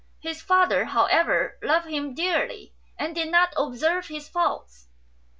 His father, however, loved him dearly, and did not observe his faults.